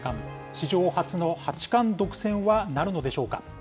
史上初の八冠独占はなるのでしょうか。